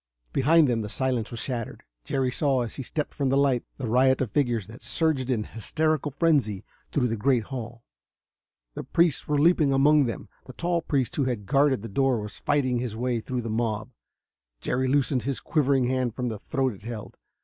Behind them the silence was shattered. Jerry saw, as he stepped from the light, the riot of figures that surged in hysterical frenzy through the great hall. The priests were leaping among them ... the tall priest who had guarded the door was fighting his way through the mob. Jerry loosed his quivering hand from the throat it held.